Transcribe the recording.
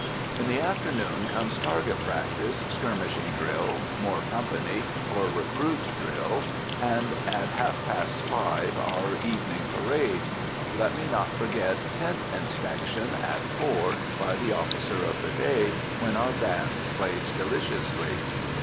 In the afternoon, comes target practice, skirmishing drill, more company or recruit drill, and, at half past five, our evening parade. Let me not forget tent inspection, at four, by the officer of the day, when our band plays deliciously.